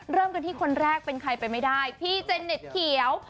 เริ่มกันที่คนแรกเป็นใครไปไม่ได้พี่เจเน็ตเขียว